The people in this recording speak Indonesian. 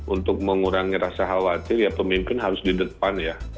untuk mengurangi rasa khawatir ya pemimpin harus di depan ya